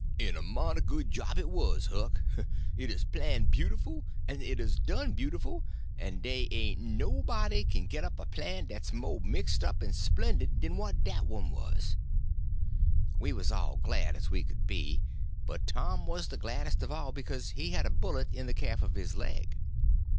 "En a mighty good job it wuz, too, Huck. It 'uz planned beautiful, en it 'uz done beautiful; en dey ain't nobody kin git up a plan dat's mo' mixed up en splendid den what dat one wuz." We was all glad as we could be, but Tom was the gladdest of all because he had a bullet in the calf of his leg.